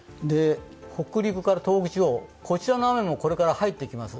北陸から東北地方の雨もこれから入ってきます。